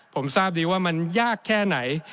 ผมทราบดีว่ามันยากแค่ไหน